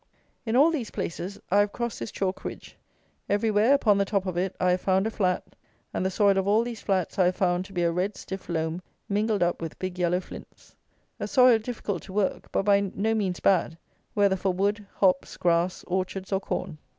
In all these places I have crossed this chalk ridge. Everywhere, upon the top of it, I have found a flat, and the soil of all these flats I have found to be a red stiff loam mingled up with big yellow flints. A soil difficult to work; but by no means bad, whether for wood, hops, grass, orchards, or corn.